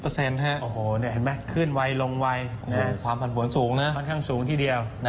โอ้โหเห็นไหมขึ้นไวลงไวความผันผลสูงนะค่อนข้างสูงทีเดียว